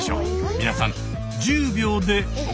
皆さん１０秒でお答え下さい。